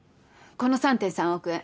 この３．３億円